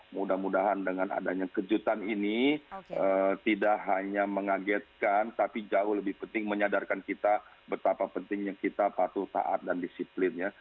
mudah mudahan dengan adanya kejutan ini tidak hanya mengagetkan tapi jauh lebih penting menyadarkan kita betapa pentingnya kita patuh taat dan disiplin ya